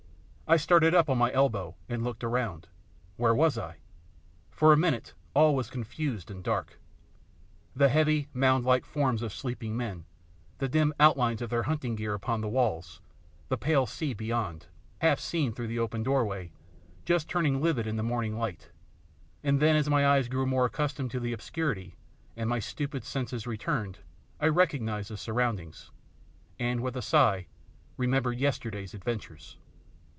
I started up on my elbow and looked around. Where was I? For a minute all was confused and dark. The heavy mound like forms of sleeping men, the dim outlines of their hunting gear upon the walls, the pale sea beyond, half seen through the open doorway, just turning livid in the morning light; and then as my eyes grew more accustomed to the obscurity, and my stupid senses returned, I recognised the surroundings, and, with a sigh, remembered yesterday's adventures.